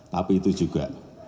tapi itu juga